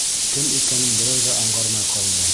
Кем икәнен берәү ҙә аңғармай ҡалды.